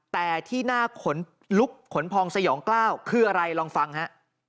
แต่ที่น่าขนลุกขนพองสยองกล้าวคืออะไรลองฟังฮะ